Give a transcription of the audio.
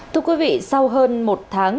thưa quý vị sau hơn một tháng